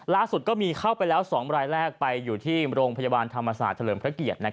ก็มีเข้าไปแล้ว๒รายแรกไปอยู่ที่โรงพยาบาลธรรมศาสตร์เฉลิมพระเกียรติ